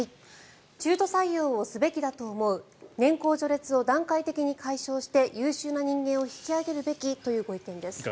中途採用をすべきだと思う年功序列を段階的に解消して優秀な人間を引き上げるべきというご意見です。